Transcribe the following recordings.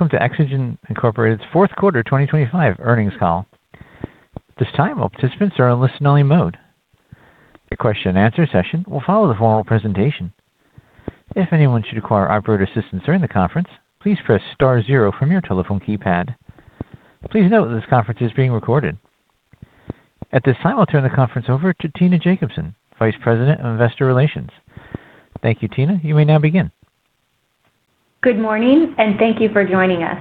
Welcome to Exagen Incorporated's fourth quarter 2025 earnings call. This time, all participants are in listen-only mode. A question and answer session will follow the formal presentation. If anyone should require operator assistance during the conference, please press star zero from your telephone keypad. Please note that this conference is being recorded. At this time, I'll turn the conference over to Tina Jacobsen, Vice President of Investor Relations. Thank you, Tina. You may now begin. Good morning, and thank you for joining us.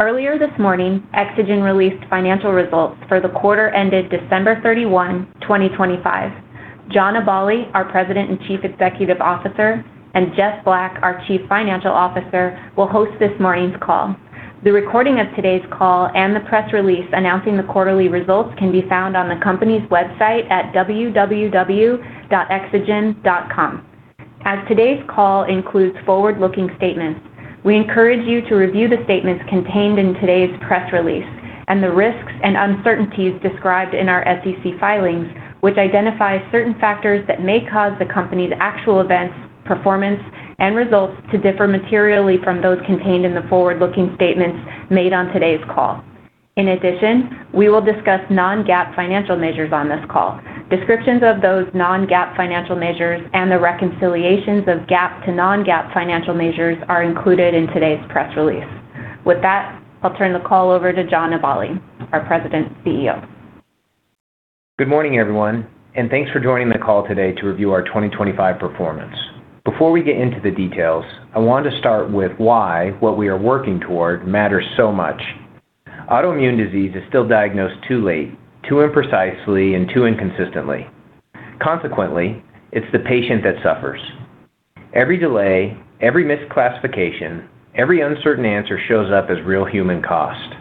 Earlier this morning, Exagen released financial results for the quarter ended December 31, 2025. John Aballi, our President and Chief Executive Officer, and Jeff Black, our Chief Financial Officer, will host this morning's call. The recording of today's call and the press release announcing the quarterly results can be found on the company's website at www.exagen.com. As today's call includes forward-looking statements, we encourage you to review the statements contained in today's press release and the risks and uncertainties described in our SEC filings, which identify certain factors that may cause the company's actual events, performance, and results to differ materially from those contained in the forward-looking statements made on today's call. In addition, we will discuss non-GAAP financial measures on this call. Descriptions of those non-GAAP financial measures and the reconciliations of GAAP to non-GAAP financial measures are included in today's press release. With that, I'll turn the call over to John Aballi, our President and CEO. Good morning, everyone, and thanks for joining the call today to review our 2025 performance. Before we get into the details, I want to start with why what we are working toward matters so much. Autoimmune disease is still diagnosed too late, too imprecisely, and too inconsistently. Consequently, it's the patient that suffers. Every delay, every misclassification, every uncertain answer shows up as real human cost.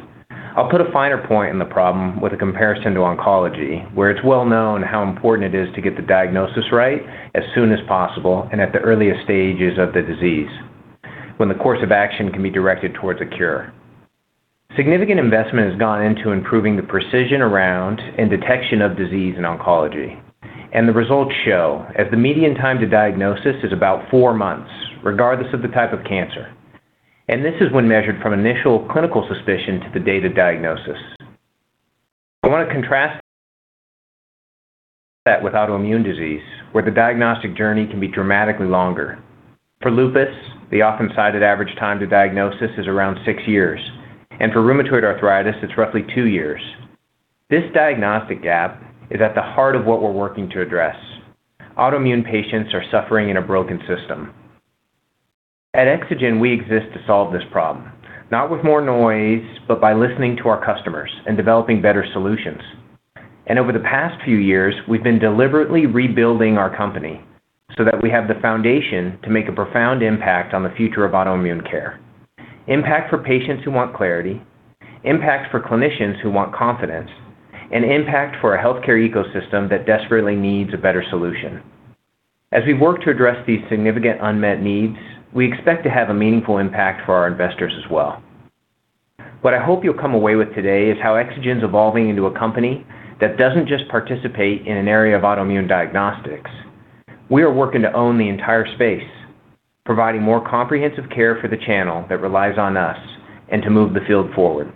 I'll put a finer point in the problem with a comparison to oncology, where it's well known how important it is to get the diagnosis right as soon as possible and at the earliest stages of the disease when the course of action can be directed towards a cure. Significant investment has gone into improving the precision around and detection of disease in oncology, and the results show as the median time to diagnosis is about four months, regardless of the type of cancer. This is when measured from initial clinical suspicion to the date of diagnosis. I want to contrast that with autoimmune disease, where the diagnostic journey can be dramatically longer. For lupus, the often-cited average time to diagnosis is around 6 years, and for rheumatoid arthritis, it's roughly two years. This diagnostic gap is at the heart of what we're working to address. Autoimmune patients are suffering in a broken system. At Exagen, we exist to solve this problem, not with more noise, but by listening to our customers and developing better solutions. Over the past few years, we've been deliberately rebuilding our company so that we have the foundation to make a profound impact on the future of autoimmune care. Impact for patients who want clarity, impact for clinicians who want confidence, and impact for a healthcare ecosystem that desperately needs a better solution. As we work to address these significant unmet needs, we expect to have a meaningful impact for our investors as well. What I hope you'll come away with today is how Exagen's evolving into a company that doesn't just participate in an area of autoimmune diagnostics. We are working to own the entire space, providing more comprehensive care for the channel that relies on us and to move the field forward.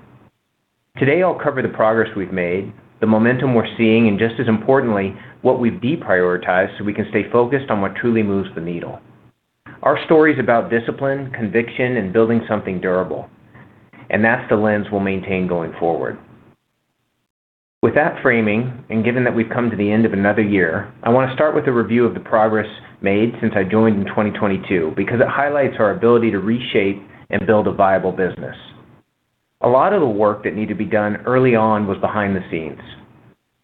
Today, I'll cover the progress we've made, the momentum we're seeing, and just as importantly, what we've deprioritized so we can stay focused on what truly moves the needle. Our story is about discipline, conviction, and building something durable, and that's the lens we'll maintain going forward. With that framing, and given that we've come to the end of another year, I want to start with a review of the progress made since I joined in 2022 because it highlights our ability to reshape and build a viable business. A lot of the work that needed to be done early on was behind the scenes.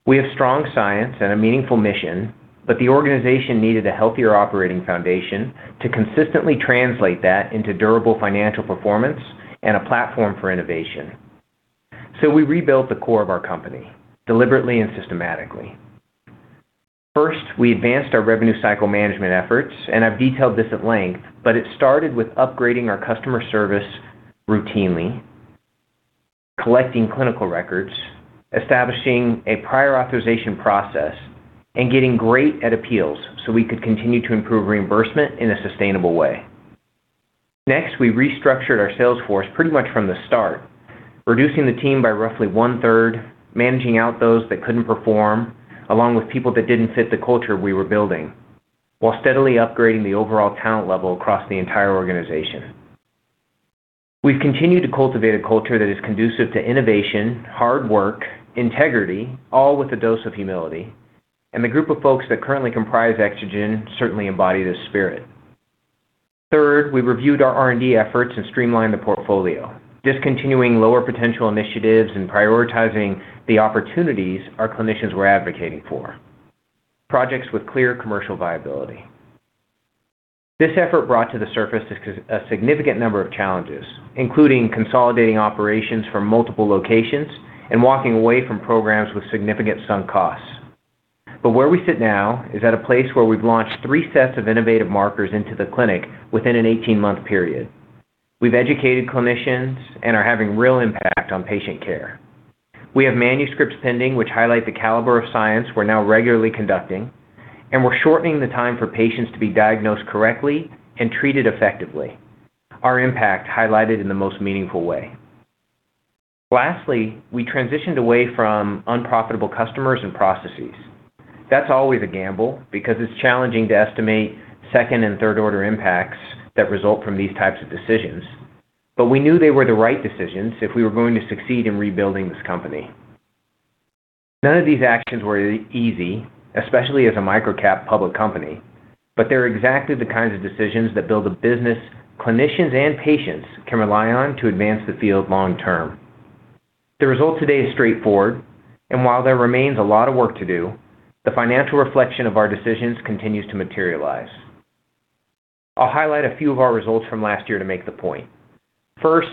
We have strong science and a meaningful mission, but the organization needed a healthier operating foundation to consistently translate that into durable financial performance and a platform for innovation. We rebuilt the core of our company deliberately and systematically. First, we advanced our revenue cycle management efforts, and I've detailed this at length, but it started with upgrading our customer service routinely, collecting clinical records, establishing a prior authorization process, and getting great at appeals so we could continue to improve reimbursement in a sustainable way. Next, we restructured our sales force pretty much from the start, reducing the team by roughly one-third, managing out those that couldn't perform, along with people that didn't fit the culture we were building, while steadily upgrading the overall talent level across the entire organization. We've continued to cultivate a culture that is conducive to innovation, hard work, integrity, all with a dose of humility, and the group of folks that currently comprise Exagen certainly embody this spirit. Third, we reviewed our R&D efforts and streamlined the portfolio, discontinuing lower potential initiatives and prioritizing the opportunities our clinicians were advocating for, projects with clear commercial viability. This effort brought to the surface a significant number of challenges, including consolidating operations from multiple locations and walking away from programs with significant sunk costs. Where we sit now is at a place where we've launched three sets of innovative markers into the clinic within an 18-month period. We've educated clinicians and are having real impact on patient care. We have manuscripts pending which highlight the caliber of science we're now regularly conducting, and we're shortening the time for patients to be diagnosed correctly and treated effectively. Our impact highlighted in the most meaningful way. Lastly, we transitioned away from unprofitable customers and processes. That's always a gamble because it's challenging to estimate second and third order impacts that result from these types of decisions. We knew they were the right decisions if we were going to succeed in rebuilding this company. None of these actions were easy, especially as a micro-cap public company, but they're exactly the kinds of decisions that build a business clinicians and patients can rely on to advance the field long term. The result today is straightforward, and while there remains a lot of work to do, the financial reflection of our decisions continues to materialize. I'll highlight a few of our results from last year to make the point. First,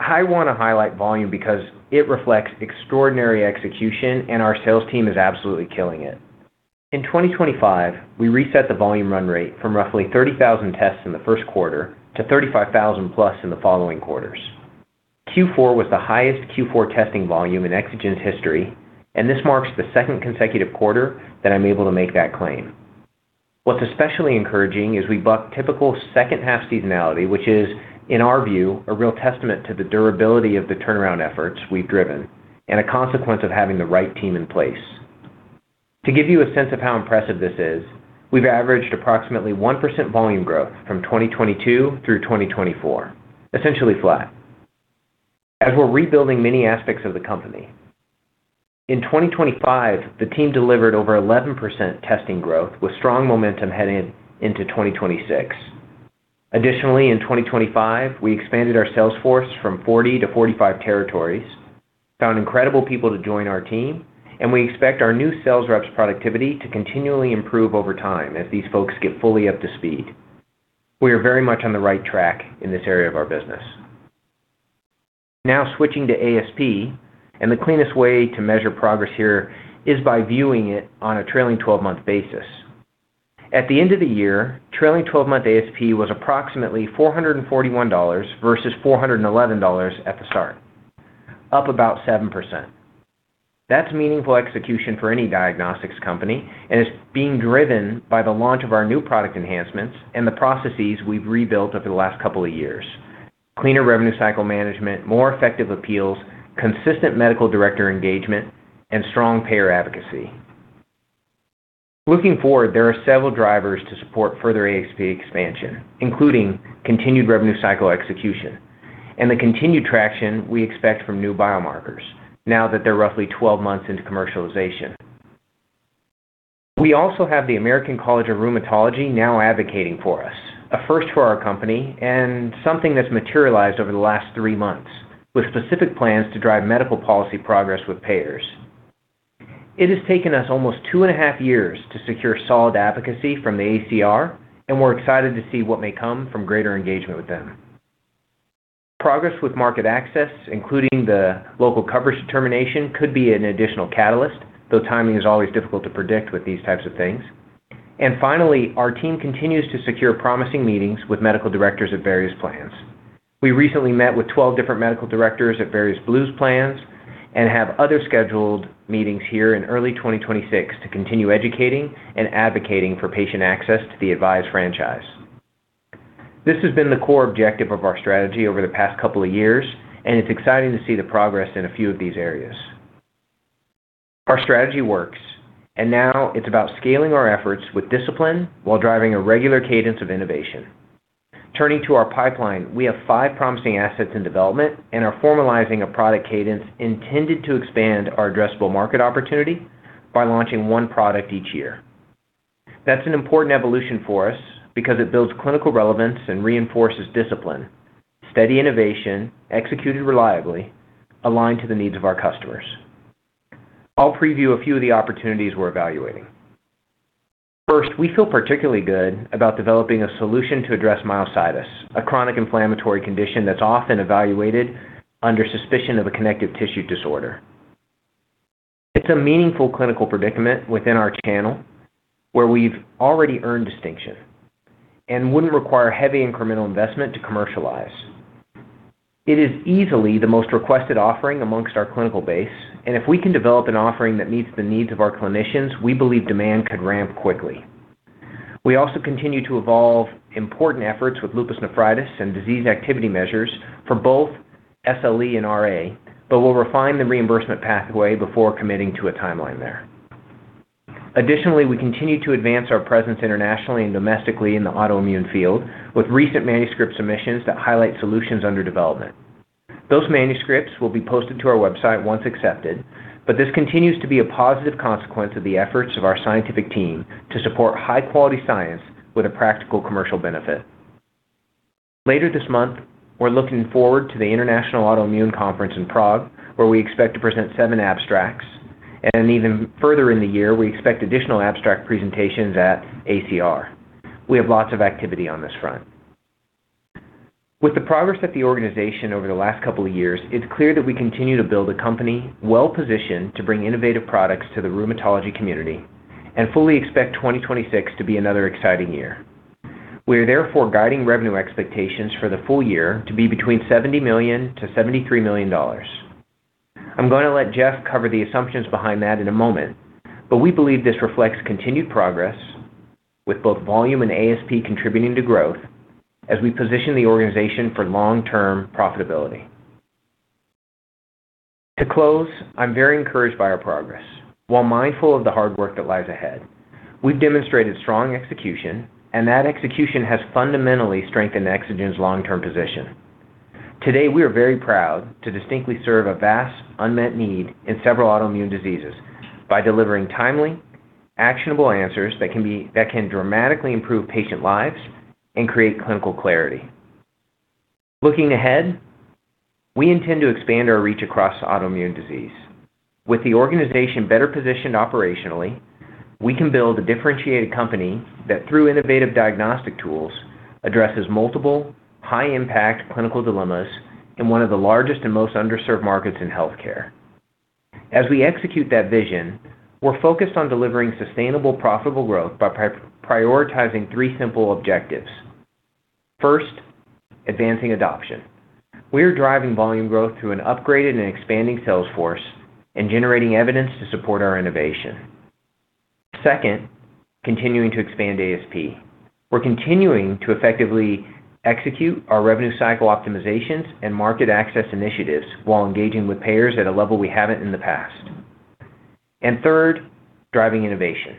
I wanna highlight volume because it reflects extraordinary execution and our sales team is absolutely killing it. In 2025, we reset the volume run rate from roughly 30,000 tests in the first quarter to 35,000+ in the following quarters. Q4 was the highest Q4 testing volume in Exagen's history, and this marks the second consecutive quarter that I'm able to make that claim. What's especially encouraging is we bucked typical second half seasonality, which is, in our view, a real testament to the durability of the turnaround efforts we've driven and a consequence of having the right team in place. To give you a sense of how impressive this is, we've averaged approximately 1% volume growth from 2022 through 2024, essentially flat. As we're rebuilding many aspects of the company. In 2025, the team delivered over 11% testing growth with strong momentum heading into 2026. Additionally, in 2025, we expanded our sales force from 40-45 territories, found incredible people to join our team, and we expect our new sales reps' productivity to continually improve over time as these folks get fully up to speed. We are very much on the right track in this area of our business. Now switching to ASP, the cleanest way to measure progress here is by viewing it on a trailing 12-month basis. At the end of the year, trailing 12-month ASP was approximately $441 versus $411 at the start, up about 7%. That's meaningful execution for any diagnostics company, and it's being driven by the launch of our new product enhancements and the processes we've rebuilt over the last couple of years. Cleaner revenue cycle management, more effective appeals, consistent medical director engagement, and strong payer advocacy. Looking forward, there are several drivers to support further ASP expansion, including continued revenue cycle execution and the continued traction we expect from new biomarkers now that they're roughly 12 months into commercialization. We also have the American College of Rheumatology now advocating for us, a first for our company and something that's materialized over the last three months with specific plans to drive medical policy progress with payers. It has taken us almost 2.5 years to secure solid advocacy from the ACR, and we're excited to see what may come from greater engagement with them. Progress with market access, including the local coverage determination, could be an additional catalyst, though timing is always difficult to predict with these types of things. Finally, our team continues to secure promising meetings with medical directors of various plans. We recently met with 12 different medical directors at various Blues plans and have other scheduled meetings here in early 2026 to continue educating and advocating for patient access to the AVISE franchise. This has been the core objective of our strategy over the past couple of years, and it's exciting to see the progress in a few of these areas. Our strategy works, and now it's about scaling our efforts with discipline while driving a regular cadence of innovation. Turning to our pipeline, we have five promising assets in development and are formalizing a product cadence intended to expand our addressable market opportunity by launching one product each year. That's an important evolution for us because it builds clinical relevance and reinforces discipline, steady innovation executed reliably aligned to the needs of our customers. I'll preview a few of the opportunities we're evaluating. First, we feel particularly good about developing a solution to address myositis, a chronic inflammatory condition that's often evaluated under suspicion of a connective tissue disorder. It's a meaningful clinical predicament within our channel where we've already earned distinction and wouldn't require heavy incremental investment to commercialize. It is easily the most requested offering amongst our clinical base, and if we can develop an offering that meets the needs of our clinicians, we believe demand could ramp quickly. We also continue to evolve important efforts with lupus nephritis and disease activity measures for both SLE and RA, but we'll refine the reimbursement pathway before committing to a timeline there. Additionally, we continue to advance our presence internationally and domestically in the autoimmune field with recent manuscript submissions that highlight solutions under development. Those manuscripts will be posted to our website once accepted, but this continues to be a positive consequence of the efforts of our scientific team to support high-quality science with a practical commercial benefit. Later this month, we're looking forward to the International Autoimmune Conference in Prague, where we expect to present seven abstracts. Even further in the year, we expect additional abstract presentations at ACR. We have lots of activity on this front. With the progress at the organization over the last couple of years, it's clear that we continue to build a company well-positioned to bring innovative products to the rheumatology community and fully expect 2026 to be another exciting year. We are therefore guiding revenue expectations for the full year to be between $70 million-$73 million. I'm going to let Jeff cover the assumptions behind that in a moment, but we believe this reflects continued progress with both volume and ASP contributing to growth as we position the organization for long-term profitability. To close, I'm very encouraged by our progress. While mindful of the hard work that lies ahead, we've demonstrated strong execution, and that execution has fundamentally strengthened Exagen's long-term position. Today, we are very proud to distinctly serve a vast unmet need in several autoimmune diseases by delivering timely, actionable answers that can dramatically improve patient lives and create clinical clarity. Looking ahead, we intend to expand our reach across autoimmune disease. With the organization better positioned operationally, we can build a differentiated company that, through innovative diagnostic tools, addresses multiple high-impact clinical dilemmas in one of the largest and most underserved markets in healthcare. As we execute that vision, we're focused on delivering sustainable, profitable growth by prioritizing three simple objectives. First, advancing adoption. We are driving volume growth through an upgraded and expanding sales force and generating evidence to support our innovation. Second, continuing to expand ASP. We're continuing to effectively execute our revenue cycle optimizations and market access initiatives while engaging with payers at a level we haven't in the past. And third, driving innovation.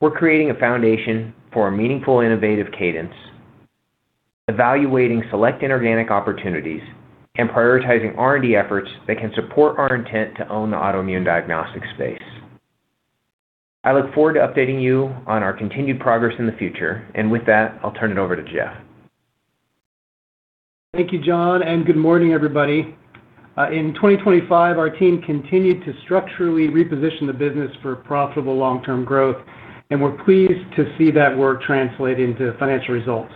We're creating a foundation for a meaningful innovative cadence, evaluating select inorganic opportunities, and prioritizing R&D efforts that can support our intent to own the autoimmune diagnostic space. I look forward to updating you on our continued progress in the future. And with that, I'll turn it over to Jeff. Thank you, John, and good morning, everybody. In 2025, our team continued to structurally reposition the business for profitable long-term growth, and we're pleased to see that work translate into financial results.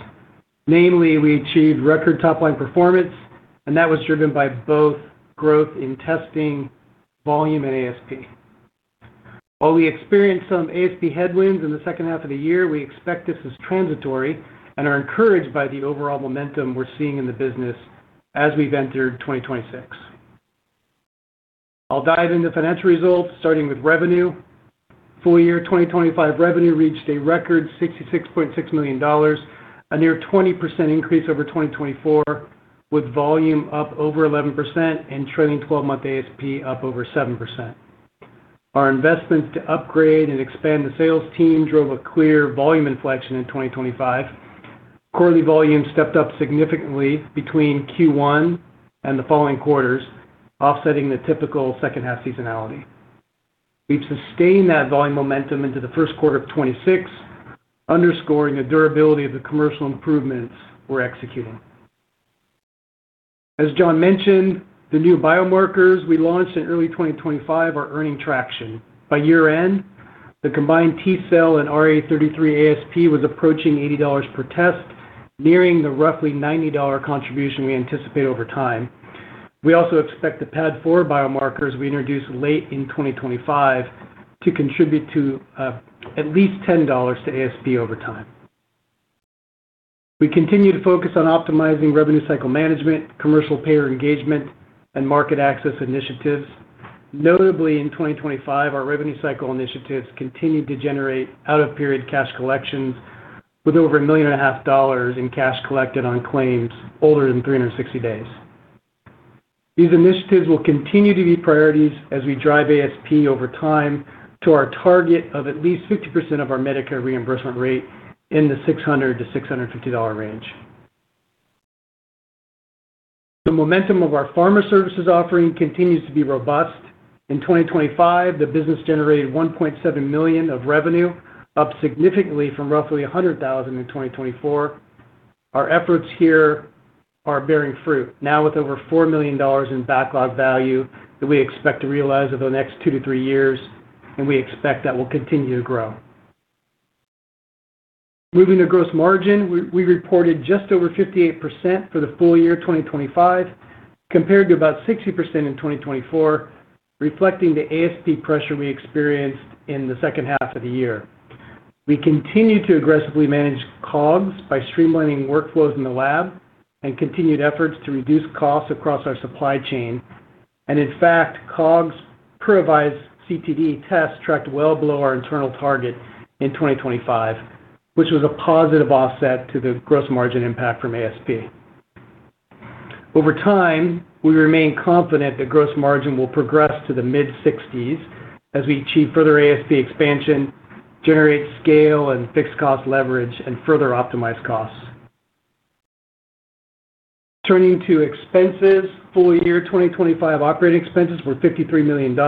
Namely, we achieved record top-line performance, and that was driven by both growth in testing volume and ASP. While we experienced some ASP headwinds in the second half of the year, we expect this is transitory and are encouraged by the overall momentum we're seeing in the business as we've entered 2026. I'll dive into financial results, starting with revenue. Full-year 2025 revenue reached a record $66.6 million, a near 20% increase over 2024, with volume up over 11% and trailing 12-month ASP up over 7%. Our investments to upgrade and expand the sales team drove a clear volume inflection in 2025. Quarterly volume stepped up significantly between Q1 and the following quarters, offsetting the typical second half seasonality. We've sustained that volume momentum into the first quarter of 2026, underscoring the durability of the commercial improvements we're executing. As John mentioned, the new biomarkers we launched in early 2025 are earning traction. By year-end, the combined T-cell and RA33 ASP was approaching $80 per test, nearing the roughly $90 contribution we anticipate over time. We also expect the anti-PAD4 biomarkers we introduced late in 2025 to contribute to at least $10 to ASP over time. We continue to focus on optimizing revenue cycle management, commercial payer engagement, and market access initiatives. Notably, in 2025, our revenue cycle initiatives continued to generate out-of-period cash collections with over $1.5 million in cash collected on claims older than 360 days. These initiatives will continue to be priorities as we drive ASP over time to our target of at least 50% of our Medicare reimbursement rate in the $600-$650 range. The momentum of our Pharma Services offering continues to be robust. In 2025, the business generated $1.7 million of revenue, up significantly from roughly $100,000 in 2024. Our efforts here are bearing fruit now with over $4 million in backlog value that we expect to realize over the next 2-3 years, and we expect that will continue to grow. Moving to gross margin, we reported just over 58% for the full year 2025, compared to about 60% in 2024, reflecting the ASP pressure we experienced in the second half of the year. We continue to aggressively manage COGS by streamlining workflows in the lab and continued efforts to reduce costs across our supply chain. In fact, COGS per revised CTD test tracked well below our internal target in 2025, which was a positive offset to the gross margin impact from ASP. Over time, we remain confident that gross margin will progress to the mid-60s as we achieve further ASP expansion, generate scale and fixed cost leverage, and further optimize costs. Turning to expenses, full year 2025 operating expenses were $53 million,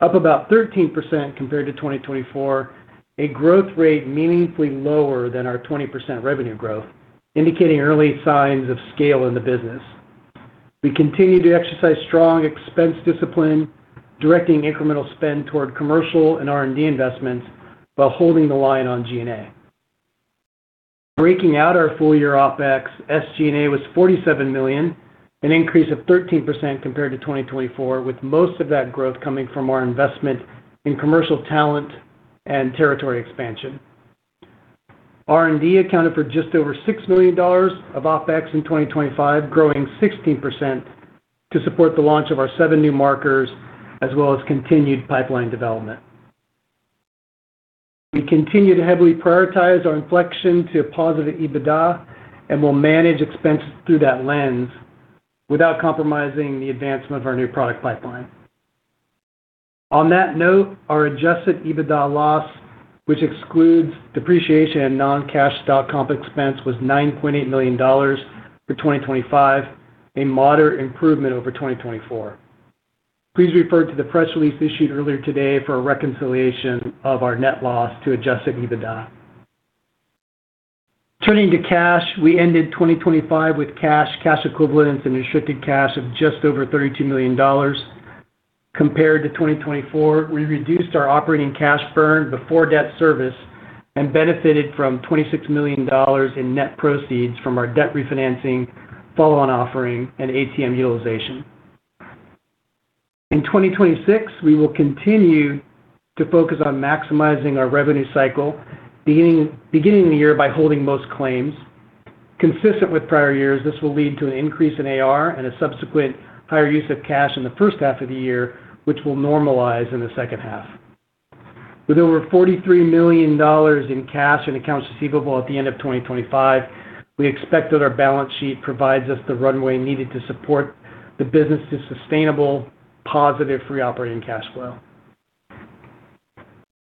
up about 13% compared to 2024, a growth rate meaningfully lower than our 20% revenue growth, indicating early signs of scale in the business. We continue to exercise strong expense discipline, directing incremental spend toward commercial and R&D investments while holding the line on G&A. Breaking out our full-year OpEx, SG&A was $47 million. An increase of 13% compared to 2024, with most of that growth coming from our investment in commercial talent and territory expansion. R&D accounted for just over $6 million of OpEx in 2025, growing 16% to support the launch of our seven new markers as well as continued pipeline development. We continue to heavily prioritize our inflection to positive EBITDA, and we'll manage expenses through that lens without compromising the advancement of our new product pipeline. On that note, our Adjusted EBITDA loss, which excludes depreciation and non-cash stock comp expense, was $9.8 million for 2025, a moderate improvement over 2024. Please refer to the press release issued earlier today for a reconciliation of our net loss to Adjusted EBITDA. Turning to cash, we ended 2025 with cash equivalents, and restricted cash of just over $32 million. Compared to 2024, we reduced our operating cash burn before debt service and benefited from $26 million in net proceeds from our debt refinancing, follow-on offering, and ATM utilization. In 2026, we will continue to focus on maximizing our revenue cycle, beginning the year by holding most claims. Consistent with prior years, this will lead to an increase in AR and a subsequent higher use of cash in the first half of the year, which will normalize in the second half. With over $43 million in cash and accounts receivable at the end of 2025, we expect that our balance sheet provides us the runway needed to support the business to sustainable, positive free operating cash flow.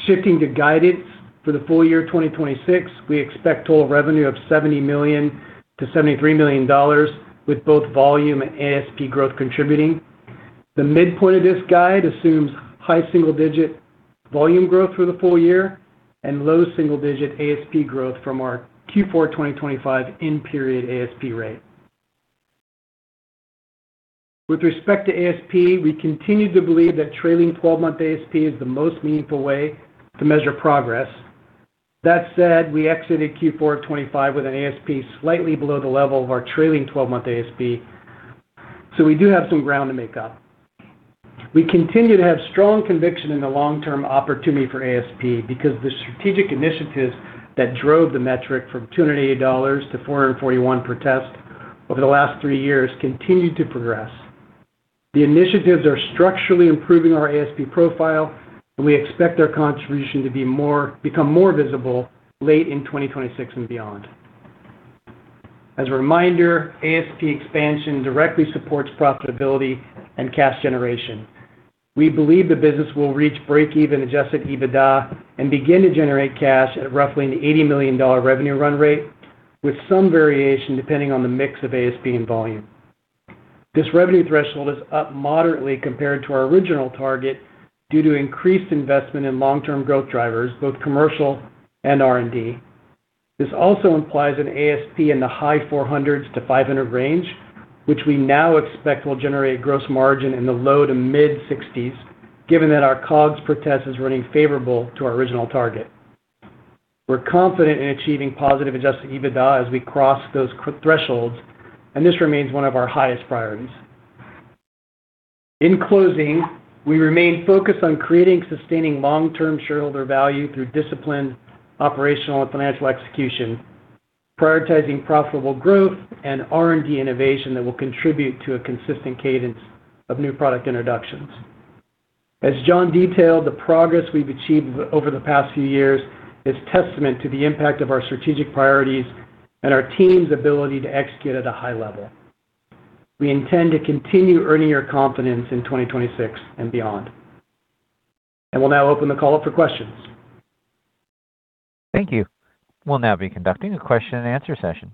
Shifting to guidance for the full year 2026, we expect total revenue of $70 million-$73 million, with both volume and ASP growth contributing. The midpoint of this guide assumes high single-digit volume growth through the full year and low single-digit ASP growth from our Q4 2025 in-period ASP rate. With respect to ASP, we continue to believe that trailing 12-month ASP is the most meaningful way to measure progress. That said, we exited Q4 2025 with an ASP slightly below the level of our trailing twelve-month ASP, so we do have some ground to make up. We continue to have strong conviction in the long-term opportunity for ASP because the strategic initiatives that drove the metric from $280-$441 per test over the last three years continue to progress. The initiatives are structurally improving our ASP profile, and we expect their contribution to become more visible late in 2026 and beyond. As a reminder, ASP expansion directly supports profitability and cash generation. We believe the business will reach breakeven Adjusted EBITDA and begin to generate cash at roughly a $80 million revenue run rate, with some variation depending on the mix of ASP and volume. This revenue threshold is up moderately compared to our original target due to increased investment in long-term growth drivers, both commercial and R&D. This also implies an ASP in the high $400s-$500 range, which we now expect will generate gross margin in the low-to-mid 60s%, given that our COGS per test is running favorable to our original target. We're confident in achieving positive Adjusted EBITDA as we cross those thresholds, and this remains one of our highest priorities. In closing, we remain focused on creating and sustaining long-term shareholder value through disciplined operational and financial execution, prioritizing profitable growth and R&D innovation that will contribute to a consistent cadence of new product introductions. As John detailed, the progress we've achieved over the past few years is testament to the impact of our strategic priorities and our team's ability to execute at a high level. We intend to continue earning your confidence in 2026 and beyond. I will now open the call up for questions. Thank you. We'll now be conducting a question and answer session.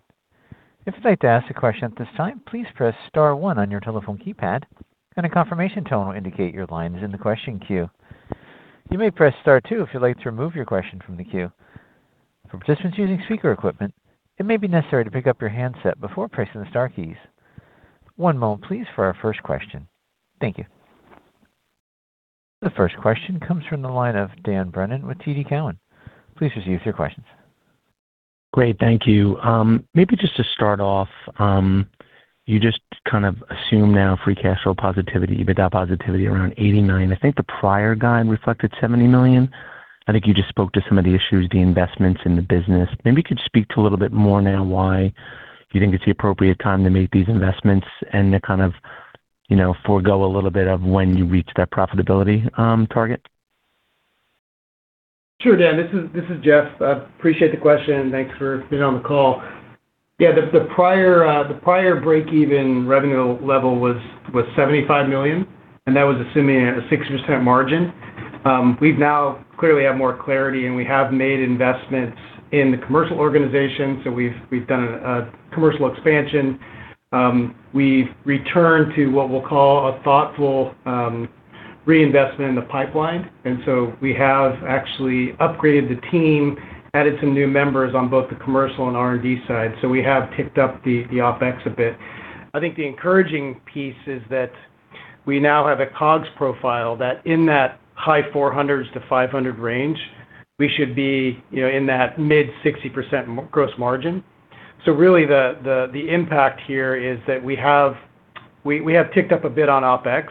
If you'd like to ask a question at this time, please press star one on your telephone keypad and a confirmation tone will indicate your line is in the question queue. You may press star two if you'd like to remove your question from the queue. For participants using speaker equipment, it may be necessary to pick up your handset before pressing the star keys. One moment please for our first question. Thank you. The first question comes from the line of Dan Brennan with TD Cowen. Please proceed with your questions. Great. Thank you. Maybe just to start off, you just kind of assume now free cash flow positivity, EBITDA positivity around $89 million. I think the prior guide reflected $70 million. I think you just spoke to some of the issues, the investments in the business. Maybe you could speak to a little bit more now why you think it's the appropriate time to make these investments and to kind of, you know, forego a little bit of when you reach that profitability target. Sure, Dan. This is Jeff. I appreciate the question, and thanks for being on the call. Yeah, the prior breakeven revenue level was $75 million, and that was assuming a 6% margin. We now clearly have more clarity, and we have made investments in the commercial organization. So we've done a commercial expansion. We've returned to what we'll call a thoughtful reinvestment in the pipeline. We have actually upgraded the team, added some new members on both the commercial and R&D side. We have ticked up the OpEx a bit. I think the encouraging piece is that we now have a COGS profile that in that high $400s-$500 range, we should be, you know, in that mid 60% gross margin. Really the impact here is that we have ticked up a bit on OpEx,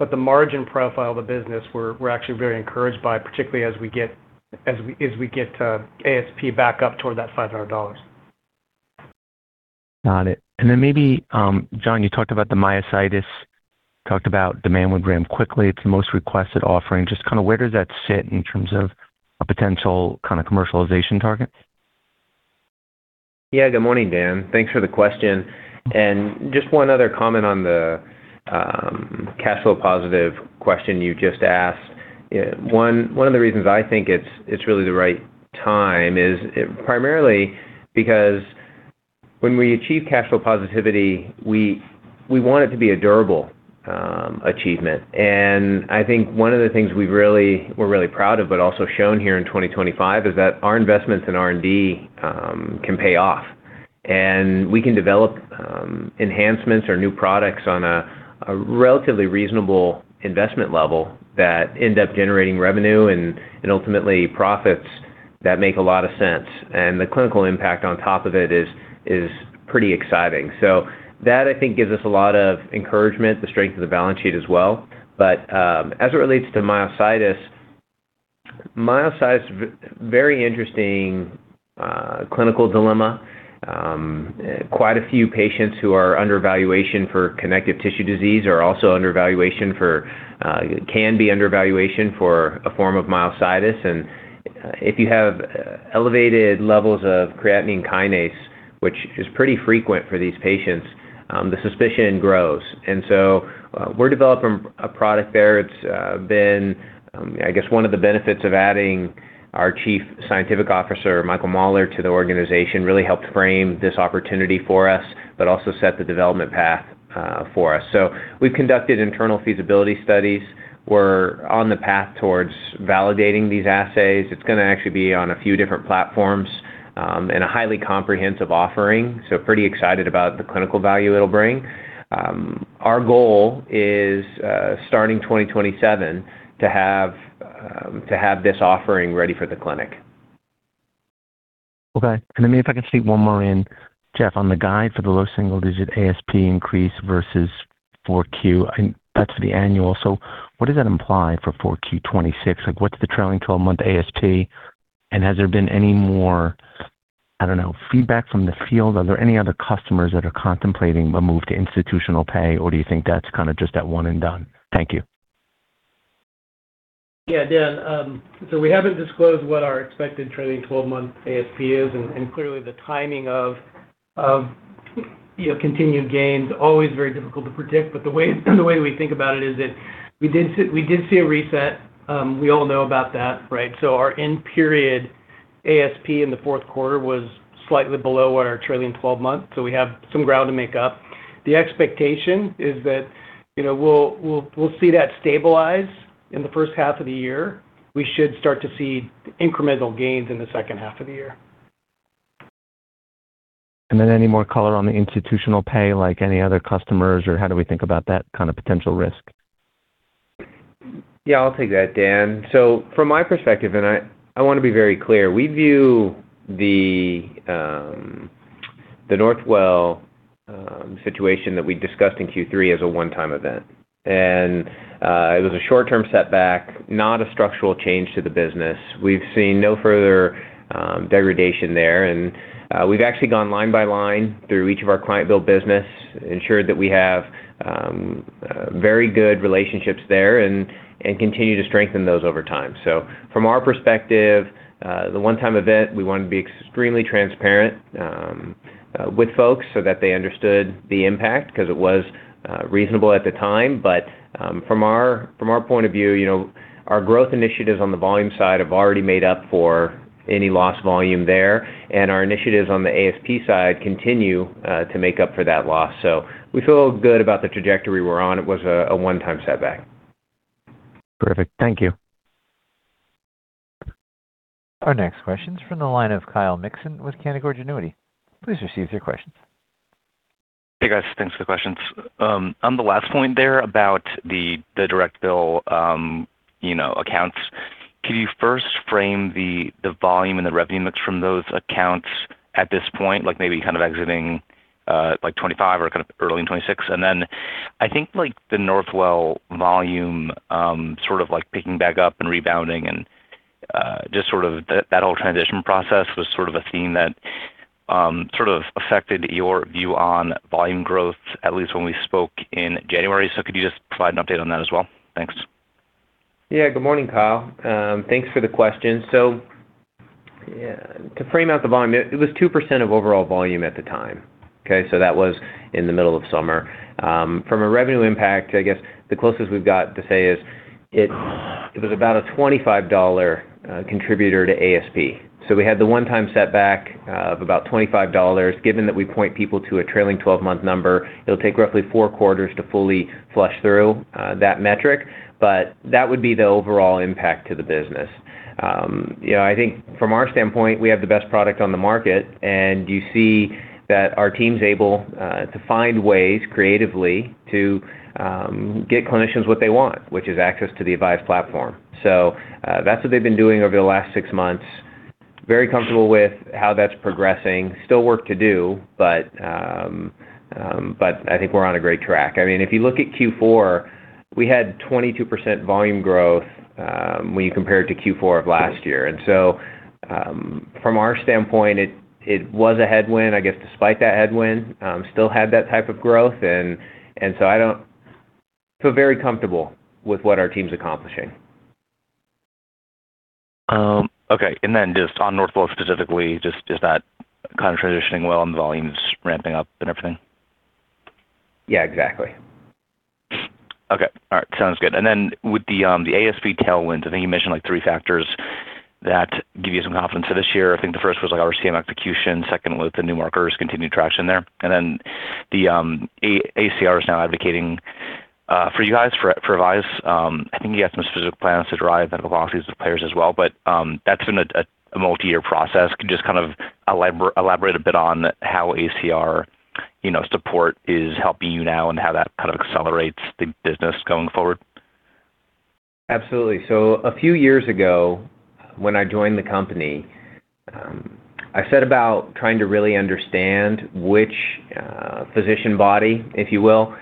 but the margin profile of the business, we're actually very encouraged by, particularly as we get ASP back up toward that $500. Got it. Maybe, John, you talked about the myositis, talked about demand would ramp quickly. It's the most requested offering. Just kind of where does that sit in terms of a potential kind of commercialization target? Yeah. Good morning, Dan. Thanks for the question. Just one other comment on the cash flow positive question you just asked. One of the reasons I think it's really the right time is primarily because when we achieve cash flow positivity, we want it to be a durable achievement. I think one of the things we're really proud of, but also shown here in 2025, is that our investments in R&D can pay off, and we can develop enhancements or new products on a relatively reasonable investment level that end up generating revenue and ultimately profits that make a lot of sense. The clinical impact on top of it is pretty exciting. That I think gives us a lot of encouragement, the strength of the balance sheet as well. As it relates to myositis, very interesting clinical dilemma. Quite a few patients who are under evaluation for connective tissue disease are also under evaluation for can be under evaluation for a form of myositis. If you have elevated levels of creatinine kinase, which is pretty frequent for these patients, the suspicion grows. We're developing a product there. It's been, I guess, one of the benefits of adding our Chief Scientific Officer, Michael Mahler, to the organization really helped frame this opportunity for us, but also set the development path for us. We've conducted internal feasibility studies. We're on the path towards validating these assays. It's going to actually be on a few different platforms, and a highly comprehensive offering, so pretty excited about the clinical value it'll bring. Our goal is, starting 2027, to have this offering ready for the clinic. Okay. Maybe if I can sneak one more in. Jeff, on the guide for the low single-digit ASP increase versus Q4, I think that's for the annual. What does that imply for Q4 2026? Like, what's the trailing twelve-month ASP? Has there been any more, I don't know, feedback from the field? Are there any other customers that are contemplating a move to institutional pay, or do you think that's kind of just that one and done? Thank you. Yeah, Dan. So we haven't disclosed what our expected trailing twelve-month ASP is, and clearly the timing of continued gains always very difficult to predict. The way we think about it is that we did see a reset. We all know about that, right? Our end period ASP in the fourth quarter was slightly below what our trailing twelve-month, so we have some ground to make up. The expectation is that, you know, we'll see that stabilize in the first half of the year. We should start to see incremental gains in the second half of the year. Any more color on the institutional payer, like any other customers or how do we think about that kind of potential risk? Yeah, I'll take that, Dan. From my perspective, I want to be very clear, we view the Northwell Health situation that we discussed in Q3 as a one-time event. It was a short-term setback, not a structural change to the business. We've seen no further degradation there. We've actually gone line by line through each of our client billing business, ensured that we have very good relationships there and continue to strengthen those over time. From our perspective, the one-time event, we want to be extremely transparent with folks so that they understood the impact because it was reasonable at the time. From our point of view, you know, our growth initiatives on the volume side have already made up for any lost volume there, and our initiatives on the ASP side continue to make up for that loss. We feel good about the trajectory we're on. It was a one-time setback. Perfect. Thank you. Our next question is from the line of Kyle Mikson with Canaccord Genuity. Please proceed with your questions. Hey, guys. Thanks for the questions. On the last point there about the direct bill, you know, accounts, can you first frame the volume and the revenue mix from those accounts at this point, like maybe kind of exiting 2025 or kind of early in 2026? I think like the Northwell volume, sort of like picking back up and rebounding and, just sort of that whole transition process was sort of a theme that sort of affected your view on volume growth at least when we spoke in January. Could you just provide an update on that as well? Thanks. Yeah. Good morning, Kyle. Thanks for the question. To frame out the volume, it was 2% of overall volume at the time. Okay. That was in the middle of summer. From a revenue impact, I guess the closest we've got to say is it was about a $25 contributor to ASP. We had the one-time setback of about $25. Given that we point people to a trailing 12-month number, it'll take roughly four quarters to fully flush through that metric, but that would be the overall impact to the business. You know, I think from our standpoint, we have the best product on the market, and you see that our team's able to find ways creatively to get clinicians what they want, which is access to the AVISE platform. That's what they've been doing over the last six months. Very comfortable with how that's progressing. Still work to do, but I think we're on a great track. I mean, if you look at Q4, we had 22% volume growth, when you compare it to Q4 of last year. From our standpoint, it was a headwind. I guess despite that headwind, still had that type of growth and so I feel very comfortable with what our team's accomplishing. Okay. Just on Northwell specifically, is that kind of transitioning well and the volume's ramping up and everything? Yeah, exactly. Okay. All right. Sounds good. With the ASP tailwind, I think you mentioned like three factors that give you some confidence for this year. I think the first was like RCM execution, second with the new markers, continued traction there. The ACR is now advocating for you guys, for AVISE. I think you had some specific plans to drive medical policies with payers as well, but that's been a multi-year process. Can you just kind of elaborate a bit on how ACR, you know, support is helping you now and how that kind of accelerates the business going forward? Absolutely. A few years ago when I joined the company, I set about trying to really understand which physician body, if you will,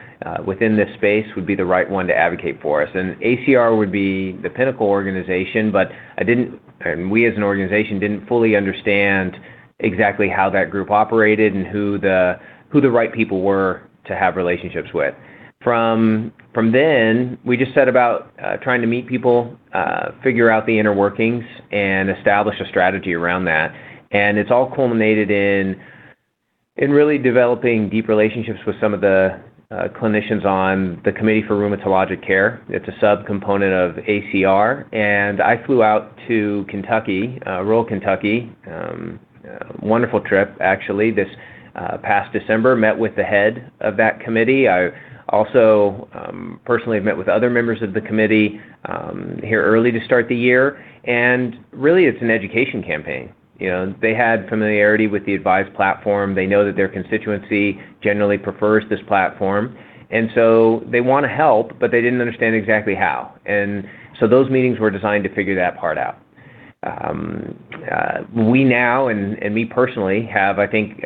within this space would be the right one to advocate for us. ACR would be the pinnacle organization, but we as an organization didn't fully understand exactly how that group operated and who the right people were to have relationships with. From then, we just set about trying to meet people, figure out the inner workings and establish a strategy around that. It's all culminated in really developing deep relationships with some of the clinicians on the Committee for Rheumatologic Care. It's a subcomponent of ACR. I flew out to Kentucky, rural Kentucky, wonderful trip, actually, this past December, met with the head of that committee. I also personally met with other members of the committee here early to start the year. Really it's an education campaign. You know, they had familiarity with the AVISE platform. They know that their constituency generally prefers this platform. They wanna help, but they didn't understand exactly how. Those meetings were designed to figure that part out. We now and me personally have I think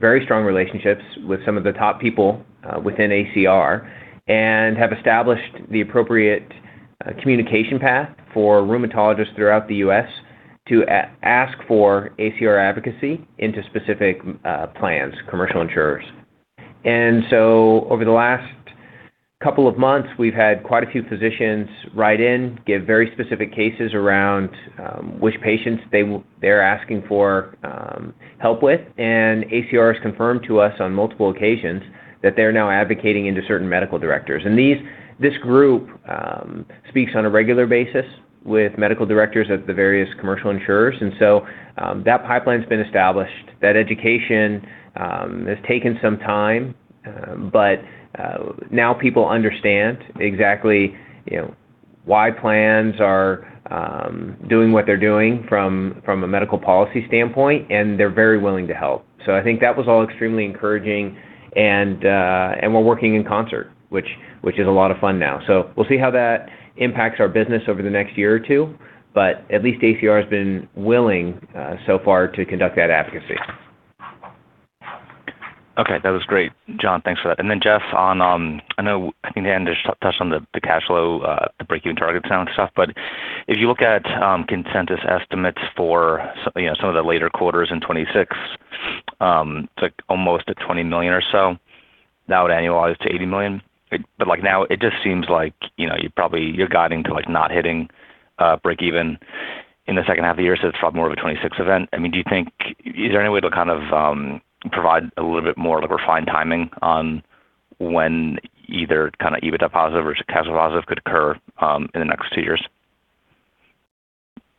very strong relationships with some of the top people within ACR and have established the appropriate communication path for rheumatologists throughout the U.S. to ask for ACR advocacy into specific plans, commercial insurers. Over the last couple of months, we've had quite a few physicians write in, give very specific cases around which patients they're asking for help with. ACR has confirmed to us on multiple occasions that they're now advocating into certain medical directors. This group speaks on a regular basis with medical directors at the various commercial insurers. That pipeline's been established. That education has taken some time, but now people understand exactly, you know, why plans are doing what they're doing from a medical policy standpoint, and they're very willing to help. I think that was all extremely encouraging and we're working in concert, which is a lot of fun now. We'll see how that impacts our business over the next year or two, but at least ACR has been willing so far to conduct that advocacy. Okay. That was great, John. Thanks for that. Jeff, on. I know, I think Dan just touched on the cash flow, the breakeven targets and that stuff. If you look at consensus estimates for, you know, some of the later quarters in 2026, it's like almost a $20 million or so. That would annualize to $80 million. Like, now it just seems like, you know, you're guiding to, like, not hitting breakeven in the second half of the year, so it's probably more of a 2026 event. I mean, is there any way to kind of provide a little bit more of a refined timing on when either kind of EBITDA positive or just cash flow positive could occur in the next two years?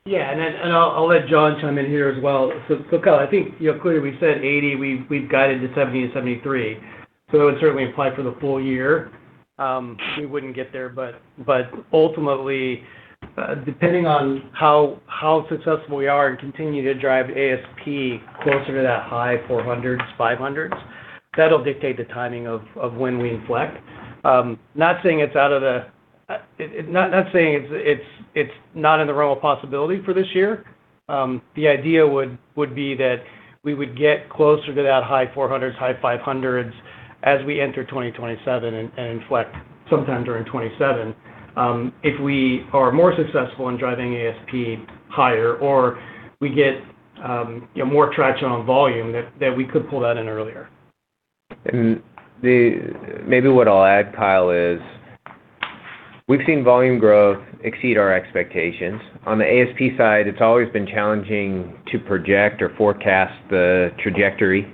Yeah. I'll let John chime in here as well. Kyle, I think, you know, clearly we said $80 million. We've guided to $70 million and $73 million. It would certainly apply for the full year. We wouldn't get there, but ultimately, depending on how successful we are in continuing to drive ASP closer to that high $400s, $500s, that'll dictate the timing of when we inflect. Not saying it's not in the realm of possibility for this year. The idea would be that we would get closer to that high $400s, high $500s as we enter 2027 and inflect sometime during 2027. If we are more successful in driving ASP higher or we get, you know, more traction on volume, then we could pull that in earlier. Maybe what I'll add, Kyle, is we've seen volume growth exceed our expectations. On the ASP side, it's always been challenging to project or forecast the trajectory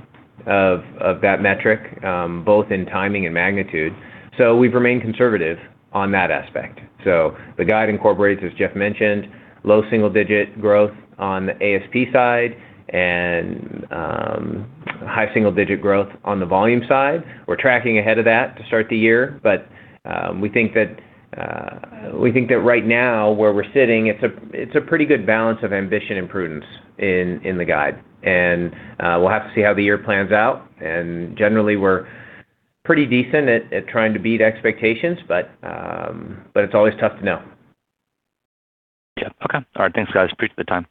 of that metric, both in timing and magnitude. We've remained conservative on that aspect. The guide incorporates, as Jeff mentioned, low single digit growth on the ASP side and high single digit growth on the volume side. We're tracking ahead of that to start the year, but we think that right now where we're sitting, it's a pretty good balance of ambition and prudence in the guide. We'll have to see how the year plans out. Generally we're Pretty decent at trying to beat expectations, but it's always tough to know. Yeah. Okay. All right. Thanks, guys. Appreciate the time.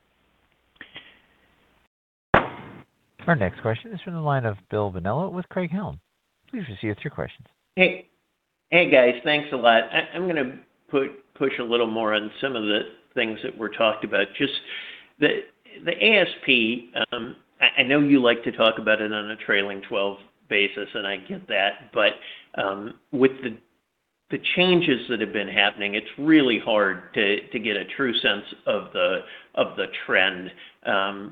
Our next question is from the line of Bill Bonello with Craig-Hallum. Please proceed with your questions. Hey. Hey, guys. Thanks a lot. I'm gonna push a little more on some of the things that were talked about. Just the ASP. I know you like to talk about it on a trailing twelve basis, and I get that. With the changes that have been happening, it's really hard to get a true sense of the trend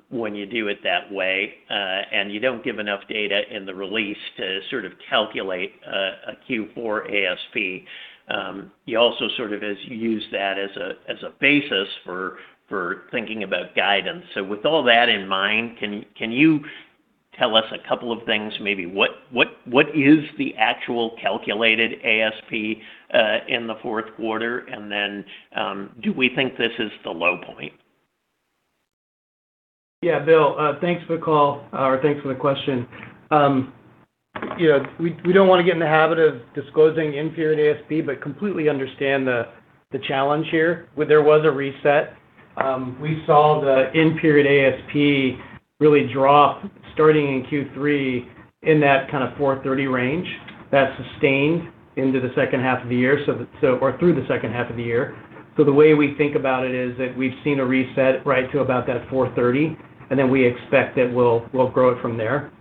when you do it that way, and you don't give enough data in the release to sort of calculate a Q4 ASP. You also sort of, as you use that as a basis for thinking about guidance. With all that in mind, can you tell us a couple of things, maybe what is the actual calculated ASP in the fourth quarter? Do we think this is the low point? Yeah. Bill, thanks for the call, or thanks for the question. You know, we don't wanna get in the habit of disclosing in-period ASP, but completely understand the challenge here. There was a reset. We saw the in-period ASP really drop starting in Q3 in that kind of $430 range that sustained into the second half of the year or through the second half of the year. The way we think about it is that we've seen a reset right to about that $430, and then we expect that we'll grow it from there.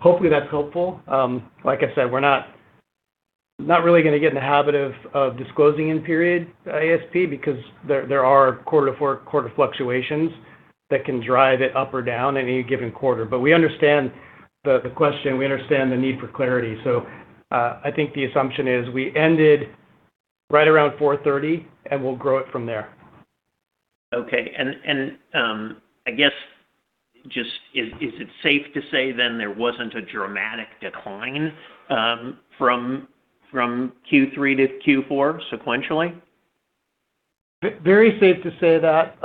Hopefully that's helpful. Like I said, we're not really gonna get in the habit of disclosing in-period ASP because there are quarter to quarter fluctuations that can drive it up or down any given quarter. We understand the question, we understand the need for clarity. I think the assumption is we ended right around $430, and we'll grow it from there. Okay. I guess just is it safe to say then there wasn't a dramatic decline from Q3-Q4 sequentially? Very safe to say that,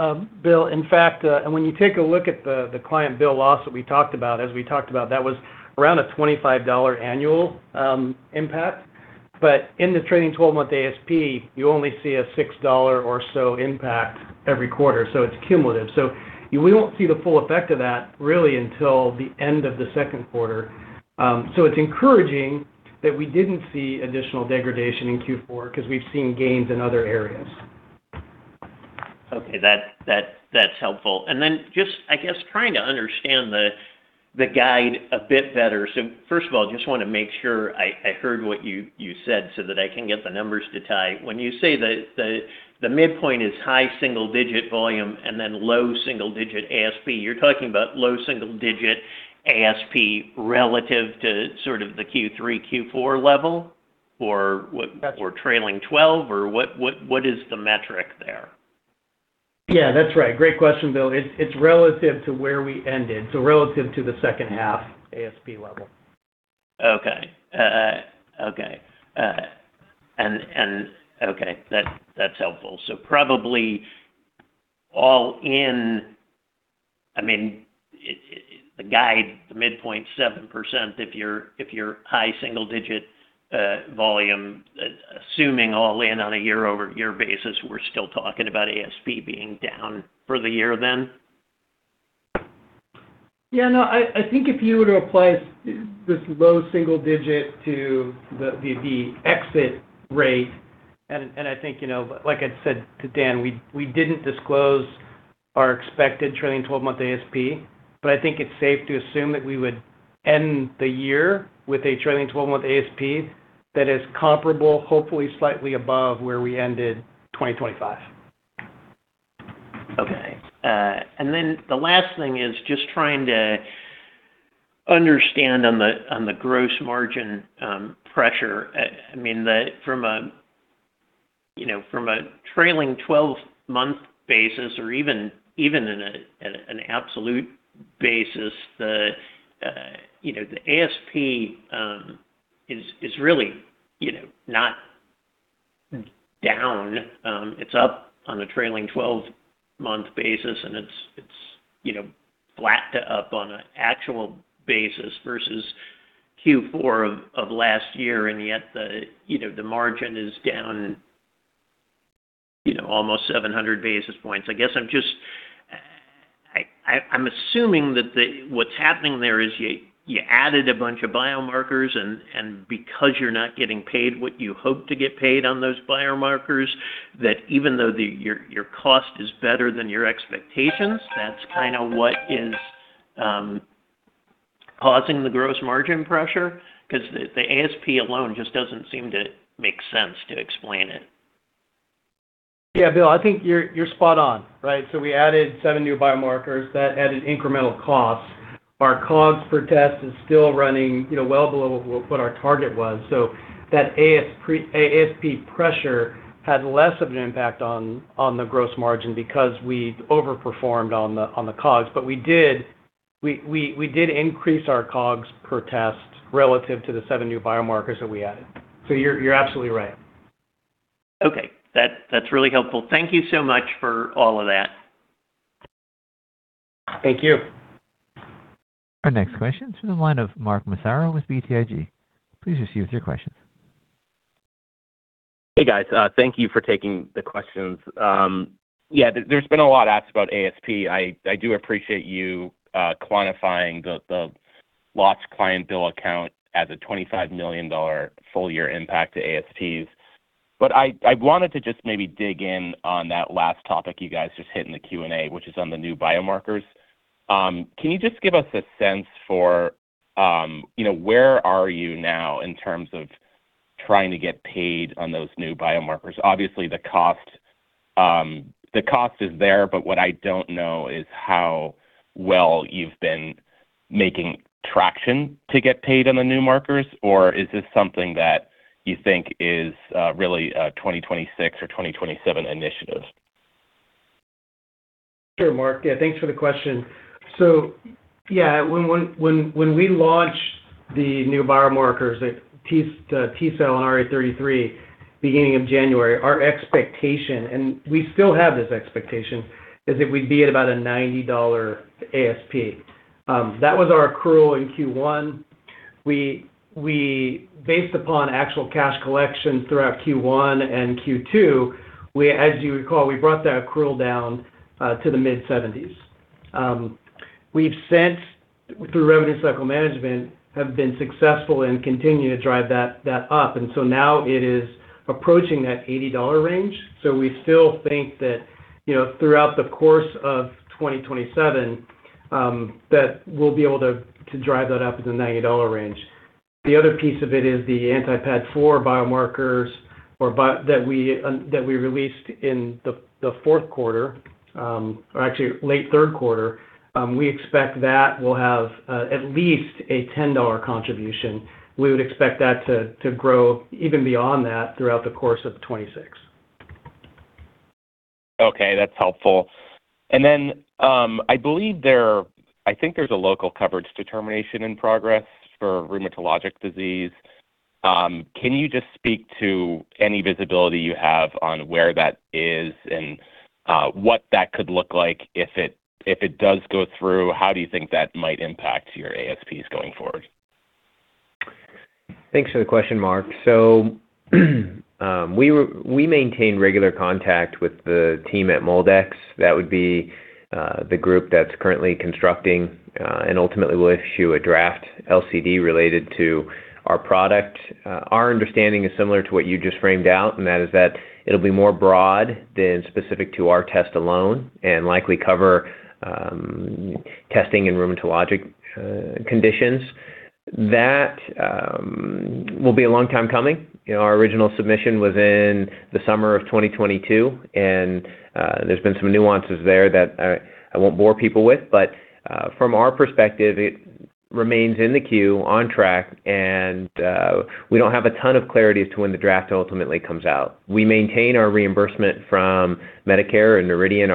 Bill. In fact, when you take a look at the client bill loss that we talked about, that was around a $25 annual impact. In the trailing 12-month ASP, you only see a $6 or so impact every quarter, so it's cumulative. We won't see the full effect of that really until the end of the second quarter. It's encouraging that we didn't see additional degradation in Q4 because we've seen gains in other areas. Okay. That's helpful. Just, I guess, trying to understand the guide a bit better. First of all, just wanna make sure I heard what you said so that I can get the numbers to tie. When you say the midpoint is high single digit volume and then low single digit ASP, you're talking about low single digit ASP relative to sort of the Q3, Q4 level, or what? That's Trailing 12, or what is the metric there? Yeah, that's right. Great question, Bill. It's relative to where we ended, so relative to the second half ASP level. Okay, that's helpful. Probably all in, I mean, the guide, the midpoint 7%, if you're high single digit volume, assuming all in on a year-over-year basis, we're still talking about ASP being down for the year then? Yeah, no, I think if you were to apply this low single digit to the exit rate, and I think, you know, like I said to Dan, we didn't disclose our expected trailing twelve-month ASP, but I think it's safe to assume that we would end the year with a trailing 12-month ASP that is comparable, hopefully slightly above where we ended 2025. Okay. Then the last thing is just trying to understand the gross margin pressure. I mean, from a, you know, from a trailing 12-month basis or even in an absolute basis, the ASP is really, you know, not down. It's up on a trailing twelve-month basis, and it's, you know, flat to up on an absolute basis versus Q4 of last year. Yet the margin is down, you know, almost 700 basis points. I guess I'm just – I'm assuming that what's happening there is you added a bunch of biomarkers and because you're not getting paid what you hope to get paid on those biomarkers, that even though your cost is better than your expectations, that's kinda what is causing the gross margin pressure 'cause the ASP alone just doesn't seem to make sense to explain it. Yeah, Bill, I think you're spot on, right? We added seven new biomarkers that added incremental costs. Our COGS per test is still running, you know, well below what our target was. That ASP pressure had less of an impact on the gross margin because we overperformed on the COGS. But we did increase our COGS per test relative to the seven new biomarkers that we added. You're absolutely right. Okay. That's really helpful. Thank you so much for all of that. Thank you. Our next question is from the line of Mark Massaro with BTIG. Please proceed with your question. Hey guys. Thank you for taking the questions. Yeah, there's been a lot asked about ASP. I do appreciate you quantifying the lost client bill account as a $25 million full year impact to ASPs. I wanted to just maybe dig in on that last topic you guys just hit in the Q&A, which is on the new biomarkers. Can you just give us a sense for, you know, where are you now in terms of trying to get paid on those new biomarkers? Obviously the cost is there, but what I don't know is how well you've been making traction to get paid on the new markers, or is this something that you think is really a 2026 or 2027 initiative? Sure, Mark. Yeah, thanks for the question. Yeah, when we launched the new biomarkers, like T-cell and RA33, beginning of January, our expectation, and we still have this expectation, is that we'd be at about a $90 ASP. That was our accrual in Q1. We based upon actual cash collection throughout Q1 and Q2, we as you recall, we brought that accrual down to the mid-$70s. We've since, through revenue cycle management, have been successful and continue to drive that up, and now it is approaching that $80 range. We still think that, you know, throughout the course of 2027, that we'll be able to drive that up in the $90 range. The other piece of it is the anti-PAD4 biomarkers that we released in the fourth quarter, or actually late third quarter. We expect that will have at least a $10 contribution. We would expect that to grow even beyond that throughout the course of 2026. Okay, that's helpful. I believe there's a local coverage determination in progress for rheumatologic disease. Can you just speak to any visibility you have on where that is and what that could look like if it does go through? How do you think that might impact your ASPs going forward? Thanks for the question, Mark. We maintain regular contact with the team at MolDX. That would be the group that's currently constructing and ultimately will issue a draft LCD related to our product. Our understanding is similar to what you just framed out, and that is that it'll be more broad than specific to our test alone, and likely cover testing and rheumatologic conditions. That will be a long time coming. You know, our original submission was in the summer of 2022, and there's been some nuances there that I won't bore people with, but from our perspective, it remains in the queue on track and we don't have a ton of clarity as to when the draft ultimately comes out. We maintain our reimbursement from Medicare and Noridian,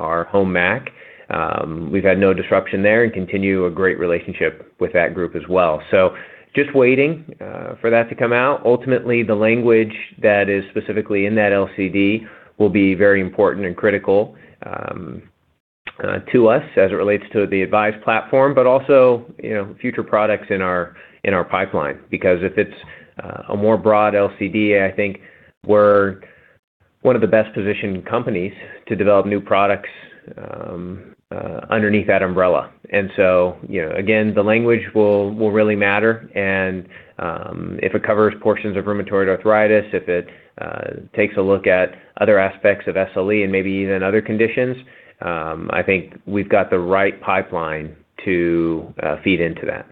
our home MAC. We've had no disruption there and continue a great relationship with that group as well. Just waiting for that to come out. Ultimately, the language that is specifically in that LCD will be very important and critical to us as it relates to the AVISE platform, but also, you know, future products in our pipeline. Because if it's a more broad LCD, I think we're one of the best positioned companies to develop new products underneath that umbrella. You know, again, the language will really matter and if it covers portions of rheumatoid arthritis, if it takes a look at other aspects of SLE and maybe even other conditions, I think we've got the right pipeline to feed into that.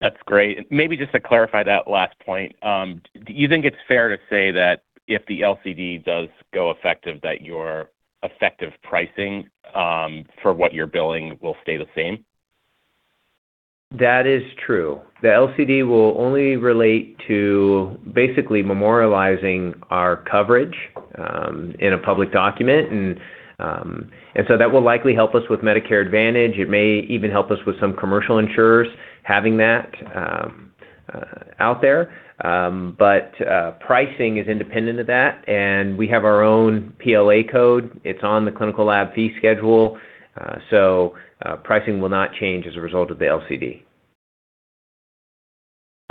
That's great. Maybe just to clarify that last point, do you think it's fair to say that if the LCD does go effective, that your effective pricing, for what you're billing will stay the same? That is true. The LCD will only relate to basically memorializing our coverage in a public document. That will likely help us with Medicare Advantage. It may even help us with some commercial insurers having that out there. Pricing is independent of that, and we have our own PLA code. It's on the clinical lab fee schedule. Pricing will not change as a result of the LCD.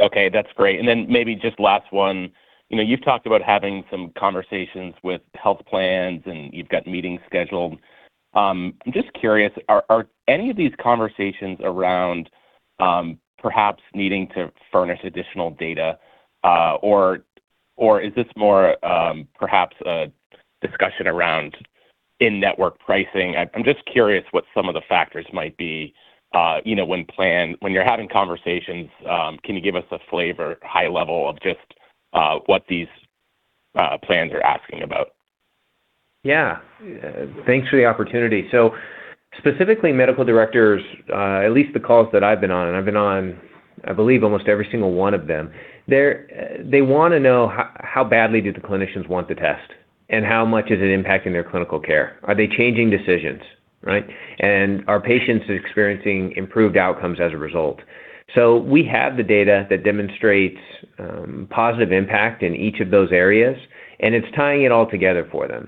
Okay, that's great. Maybe just last one. You know, you've talked about having some conversations with health plans, and you've got meetings scheduled. I'm just curious, are any of these conversations around perhaps needing to furnish additional data? Or is this more perhaps a discussion around in-network pricing? I'm just curious what some of the factors might be, you know, when you're having conversations. Can you give us a flavor, high level of just what these plans are asking about? Yeah. Thanks for the opportunity. Specifically medical directors, at least the calls that I've been on, and I've been on, I believe almost every single one of them. They wanna know how badly do the clinicians want the test, and how much is it impacting their clinical care? Are they changing decisions, right? Are patients experiencing improved outcomes as a result? We have the data that demonstrates positive impact in each of those areas, and it's tying it all together for them.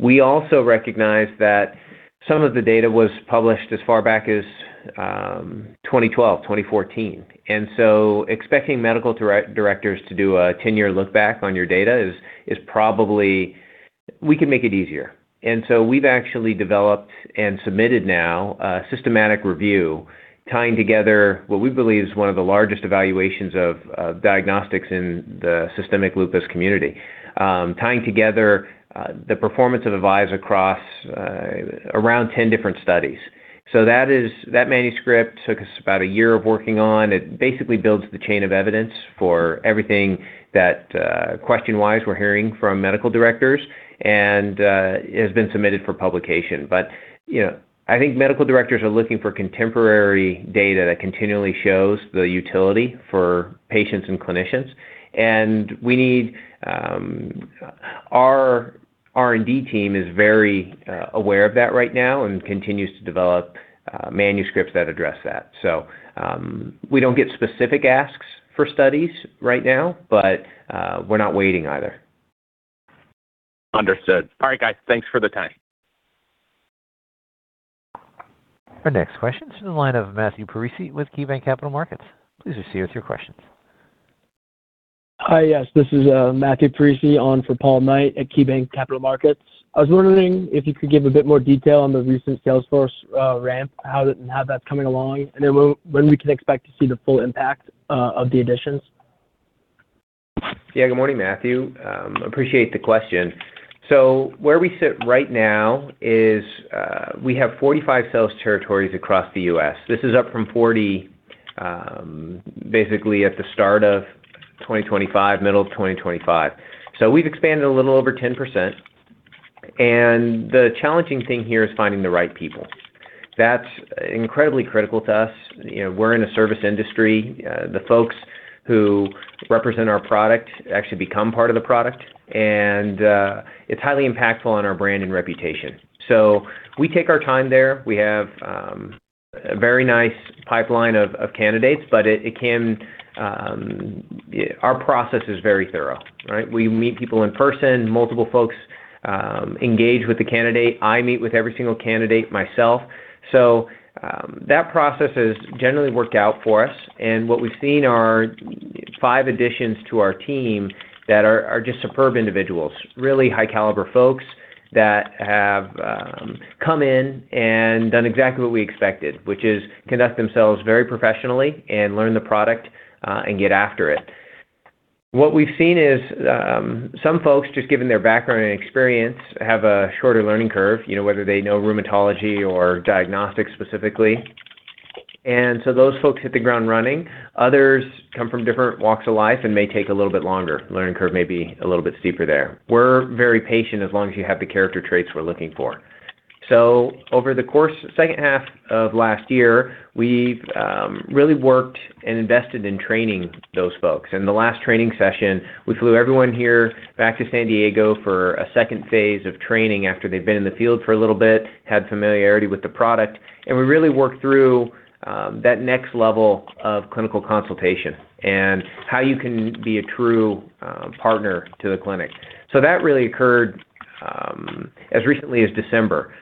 We also recognize that some of the data was published as far back as 2012, 2014. Expecting medical directors to do a 10-year look back on your data is probably. We can make it easier. We've actually developed and submitted now a systematic review tying together what we believe is one of the largest evaluations of diagnostics in the systemic lupus community, tying together the performance of AVISE across around 10 different studies. That manuscript took us about a year of working on. It basically builds the chain of evidence for everything that question-wise we're hearing from medical directors and it has been submitted for publication. You know, I think medical directors are looking for contemporary data that continually shows the utility for patients and clinicians. We need our R&D team is very aware of that right now and continues to develop manuscripts that address that. We don't get specific asks for studies right now, but we're not waiting either. Understood. All right, guys. Thanks for the time. Our next question is to the line of Matthew Parisi with KeyBanc Capital Markets. Please proceed with your questions. Hi. Yes, this is Matthew Parisi on for Paul Knight at KeyBanc Capital Markets. I was wondering if you could give a bit more detail on the recent sales force ramp, how that's coming along, and then when we can expect to see the full impact of the additions. Yeah. Good morning, Matthew. Appreciate the question. Where we sit right now is, we have 45 sales territories across the U.S. This is up from 40, basically at the start of 2025, middle of 2025. We've expanded a little over 10%. The challenging thing here is finding the right people. That's incredibly critical to us. You know, we're in a service industry. The folks who represent our product actually become part of the product, and it's highly impactful on our brand and reputation. We take our time there. We have a very nice pipeline of candidates, but it can. Our process is very thorough, right? We meet people in person. Multiple folks engage with the candidate. I meet with every single candidate myself. That process has generally worked out for us. What we've seen are five additions to our team that are just superb individuals, really high caliber folks that have come in and done exactly what we expected, which is conduct themselves very professionally and learn the product and get after it. What we've seen is some folks, just given their background and experience, have a shorter learning curve, you know, whether they know rheumatology or diagnostics specifically. Those folks hit the ground running. Others come from different walks of life and may take a little bit longer. Learning curve may be a little bit steeper there. We're very patient as long as you have the character traits we're looking for. Second half of last year, we've really worked and invested in training those folks. In the last training session, we flew everyone here back to San Diego for a second phase of training after they've been in the field for a little bit, had familiarity with the product. We really worked through that next level of clinical consultation and how you can be a true partner to the clinic. That really occurred as recently as December.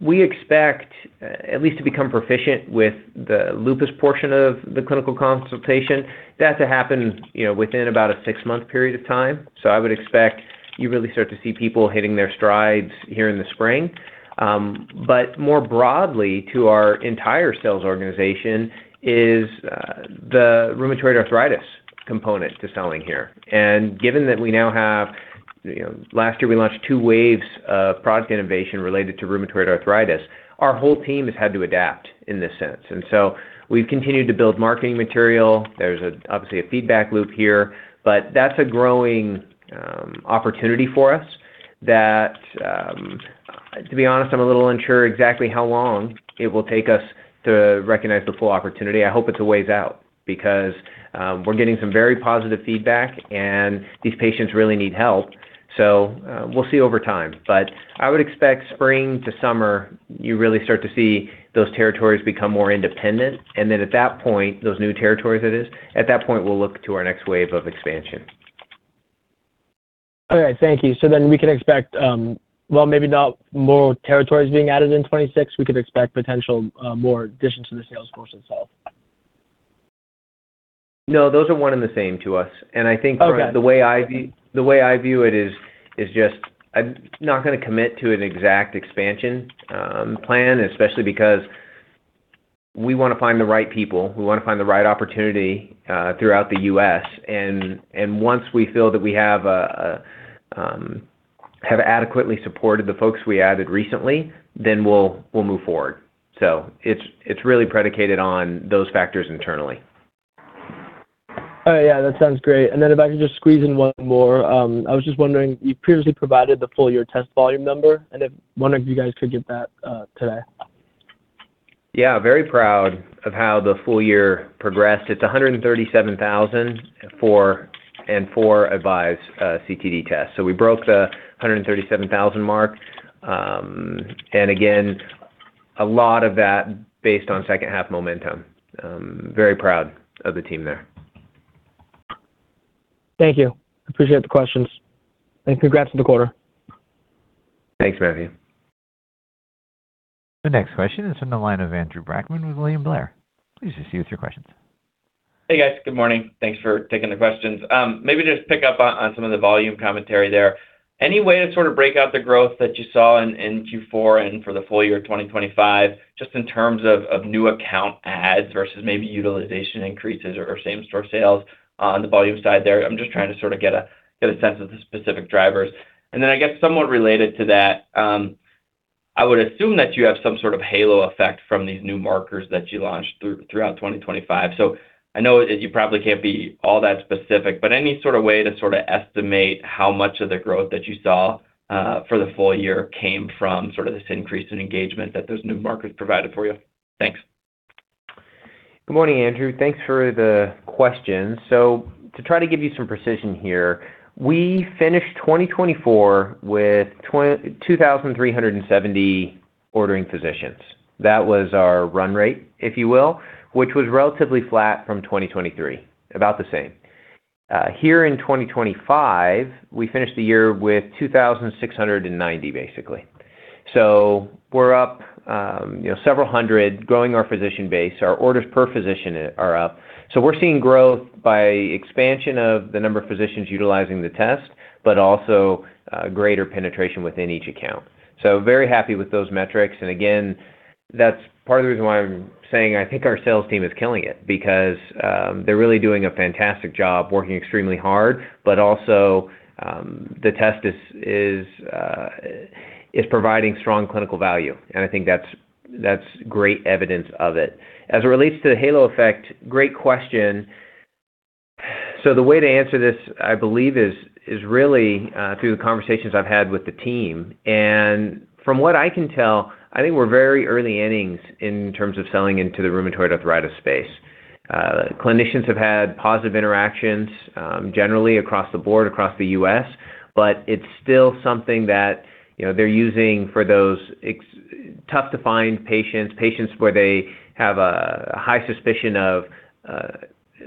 We expect at least to become proficient with the lupus portion of the clinical consultation. That to happen, you know, within about a six-month period of time. I would expect you really start to see people hitting their strides here in the spring. More broadly to our entire sales organization is the rheumatoid arthritis component to selling here. Given that we now have, you know, last year we launched two waves of product innovation related to rheumatoid arthritis, our whole team has had to adapt in this sense. We've continued to build marketing material. There's obviously a feedback loop here, but that's a growing opportunity for us that, to be honest, I'm a little unsure exactly how long it will take us to recognize the full opportunity. I hope it's a ways out because we're getting some very positive feedback, and these patients really need help. We'll see over time. I would expect spring to summer, you really start to see those territories become more independent. Then at that point, those new territories it is, at that point, we'll look to our next wave of expansion. All right. Thank you. We can expect, well, maybe not more territories being added in 2026. We could expect potential, more additions to the sales force itself. No, those are one and the same to us. I think. Okay. The way I view it is just I'm not gonna commit to an exact expansion plan, especially because we wanna find the right people. We wanna find the right opportunity throughout the U.S. Once we feel that we have adequately supported the folks we added recently, then we'll move forward. It's really predicated on those factors internally. Oh, yeah, that sounds great. Then if I can just squeeze in one more. I was just wondering, you previously provided the full year test volume number, and if one of you guys could give that today? Yeah. Very proud of how the full year progressed. It's 137,000 for AVISE CTD tests. We broke the 137,000 mark. Again, a lot of that based on second half momentum. Very proud of the team there. Thank you. Appreciate the questions and congrats on the quarter. Thanks, Matthew. The next question is from the line of Andrew Brackmann with William Blair. Please proceed with your questions. Hey, guys. Good morning. Thanks for taking the questions. Maybe just pick up on some of the volume commentary there. Any way to sort of break out the growth that you saw in Q4 and for the full year 2025, just in terms of new account adds versus maybe utilization increases or same-store sales on the volume side there? I'm just trying to sort of get a sense of the specific drivers. I guess somewhat related to that, I would assume that you have some sort of halo effect from these new markers that you launched throughout 2025. I know that you probably can't be all that specific, but any sort of way to sort of estimate how much of the growth that you saw, for the full year came from sort of this increase in engagement that those new markers provided for you? Thanks. Good morning, Andrew. Thanks for the questions. To try to give you some precision here, we finished 2024 with 2,370 ordering physicians. That was our run rate, if you will, which was relatively flat from 2023, about the same. Here in 2025, we finished the year with 2,690, basically. We're up, you know, several hundred, growing our physician base. Our orders per physician are up. We're seeing growth by expansion of the number of physicians utilizing the test, but also, greater penetration within each account. Very happy with those metrics. Again, that's part of the reason why I'm saying I think our sales team is killing it because they're really doing a fantastic job working extremely hard, but also the test is providing strong clinical value, and I think that's great evidence of it. As it relates to the halo effect, great question. The way to answer this, I believe, is really through the conversations I've had with the team. From what I can tell, I think we're very early innings in terms of selling into the rheumatoid arthritis space. Clinicians have had positive interactions generally across the board, across the U.S., but it's still something that, you know, they're using for those tough to find patients where they have a high suspicion of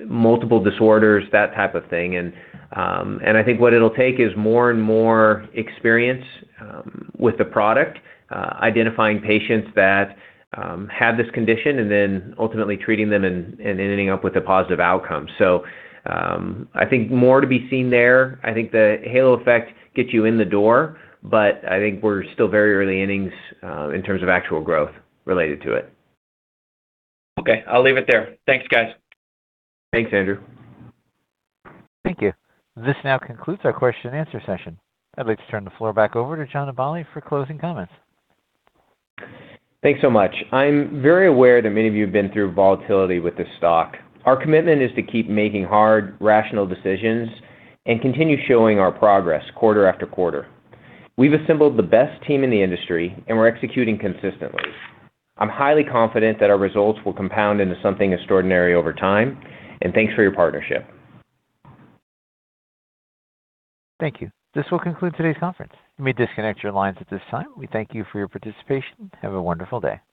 multiple disorders, that type of thing. I think what it'll take is more and more experience with the product, identifying patients that have this condition and then ultimately treating them and ending up with a positive outcome. I think more to be seen there. I think the halo effect gets you in the door, but I think we're still very early innings in terms of actual growth related to it. Okay. I'll leave it there. Thanks, guys. Thanks, Andrew. Thank you. This now concludes our question and answer session. I'd like to turn the floor back over to John Aballi for closing comments. Thanks so much. I'm very aware that many of you have been through volatility with this stock. Our commitment is to keep making hard, rational decisions and continue showing our progress quarter after quarter. We've assembled the best team in the industry, and we're executing consistently. I'm highly confident that our results will compound into something extraordinary over time, and thanks for your partnership. Thank you. This will conclude today's conference. You may disconnect your lines at this time. We thank you for your participation. Have a wonderful day.